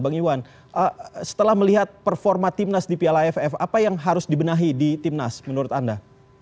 bang iwan setelah melihat performa timnas di piala aff apa yang harus dibenahi di timnas menurut anda